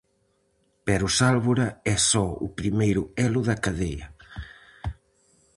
Pero Sálvora é só o primeiro elo da cadea.